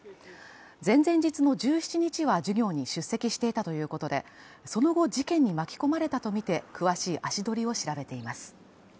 前々日の１７日は授業に出席していたということで、その後、事件に巻き込まれたとみて詳しい足取りを調べています。